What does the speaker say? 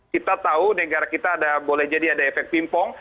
kita tahu negara kita ada boleh jadi ada efek pimpong